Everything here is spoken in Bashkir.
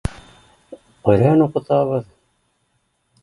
Ҡөрьән уҡытабыҙ